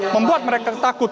membuat mereka takut